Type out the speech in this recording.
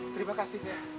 terima kasih seh